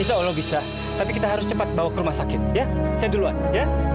insya allah bisa tapi kita harus cepat bawa ke rumah sakit ya saya duluan ya